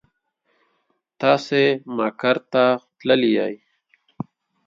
تاسې مقر ته تللي يئ.